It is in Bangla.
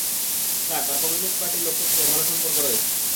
স্যার, তার কমিউনিস্ট পার্টির লোকদের সাথে ভালো সম্পর্ক রয়েছে।